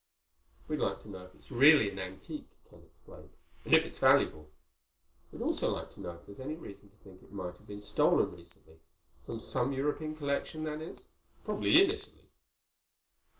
"We'd like to know if it's really an antique," Ken explained, "and if it's valuable. We'd also like to know if there's any reason to think it might have been stolen recently—from some European collection, that is. Probably in Italy."